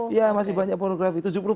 ya masih banyak pornografi